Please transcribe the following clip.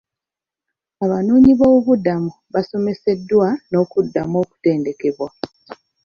Abanoonyiboobubudamu basomeseddwa n'okuddamu okutendekebwa.